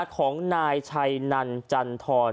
ของนายชัยนันจันทร